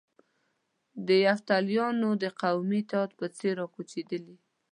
د یفتلیانو د قومي اتحاد په څېر را کوچېدلي.